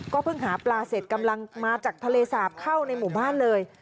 เพิ่งหาปลาเสร็จกำลังมาจากทะเลสาบเข้าในหมู่บ้านเลย